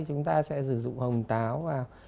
chúng ta sẽ sử dụng hồng táo và